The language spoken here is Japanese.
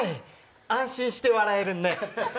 安心して笑えるね！